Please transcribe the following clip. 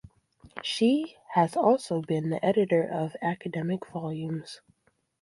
She has also been the editor of academic volumes.